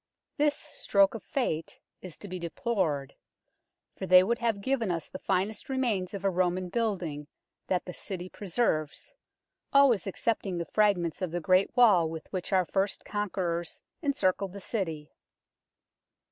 This stroke of fate is to be deplored, for they would have given us the finest remains of a Roman building that the City preserves, always excepting the fragments of the great wall with which our first conquerors encircled the City.